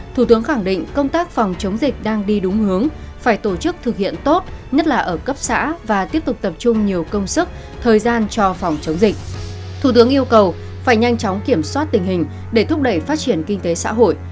thủ tướng yêu cầu phải nhanh chóng kiểm soát tình hình để thúc đẩy phát triển kinh tế xã hội